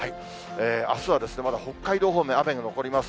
あすはまだ北海道方面、雨が残ります。